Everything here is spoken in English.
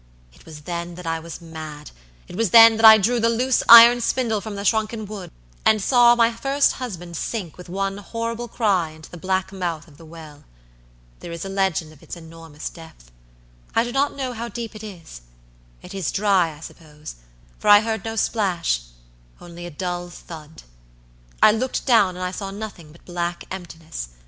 It was then that I was mad, it was then that I drew the loose iron spindle from the shrunken wood, and saw my first husband sink with one horrible cry into the black mouth of the well. There is a legend of its enormous depth. I do not know how deep it is. It is dry, I suppose, for I heard no splash, only a dull thud. I looked down and I saw nothing but black emptiness.